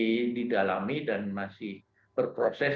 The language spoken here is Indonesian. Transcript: masih didalami dan masih berproses